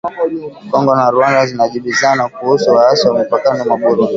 Kongo na Rwanda zajibizana kuhusu waasi wa mipakani mwa Burundi